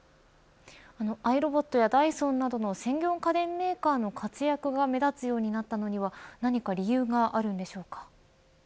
アイロボットやダイソンなどの専業家電メーカーの活躍が目立つようになったのには何か理由があるのでしょうか。